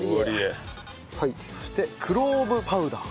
そしてクローブパウダー。